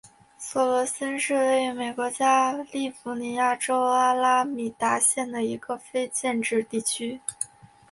索伦森是位于美国加利福尼亚州阿拉米达县的一个非建制地区。